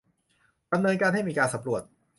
ดำเนินการให้มีการสำรวจ